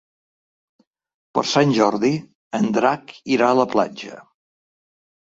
Per Sant Jordi en Drac irà a la platja.